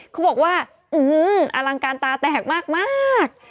เขาบอกว่าอลังการตาแตกมาก